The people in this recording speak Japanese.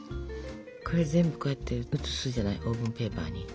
これ全部こうやって移すじゃないオーブンペーパーに。